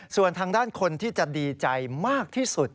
ส่วนทางด้านคนที่จะดีใจมากที่สุด